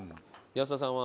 安田さんは？